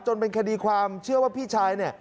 จนเป็นคดีความเชื่อว่าพี่ชาย